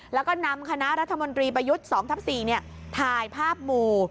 แล้วก็นำคณะรัฐมนตรีประยุทธ์๒ทับ๔ถ่ายภาพหมู่